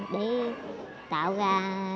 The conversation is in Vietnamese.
để tạo ra